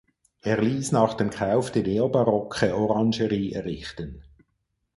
Er ließ nach dem Kauf die neobarocke Orangerie errichten.